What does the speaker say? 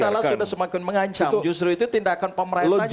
masalah sudah semakin mengancam justru itu tindakan pemerintah juga